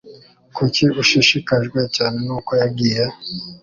Kuki ushishikajwe cyane nuko yagiye?